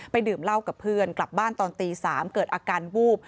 ดื่มเหล้ากับเพื่อนกลับบ้านตอนตี๓เกิดอาการวูบ